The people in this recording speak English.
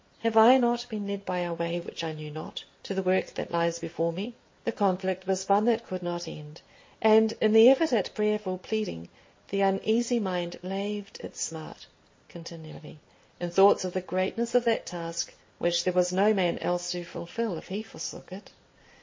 Have I not been led by a way which I knew not to the work that lies before me?" The conflict was one that could not end, and in the effort at prayerful pleading the uneasy mind laved its smart continually in thoughts of the greatness of that task which there was no man else to fulfil if he forsook it.